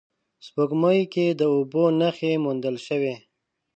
سپوږمۍ کې د اوبو نخښې موندل شوې